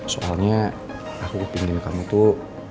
soalnya aku kepingin kamu tuh